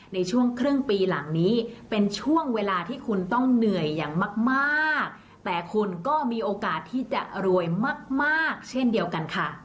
ในช่วงครึ่งปีหลังนี้เป็นช่วงเวลาที่คุณต้องเหนื่อยอย่างมากแต่คุณก็มีโอกาสที่จะรวยมากเช่นเดียวกันค่ะ